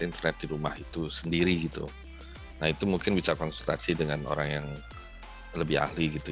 internet di rumah itu sendiri gitu nah itu mungkin bisa konsultasi dengan orang yang lebih ahli gitu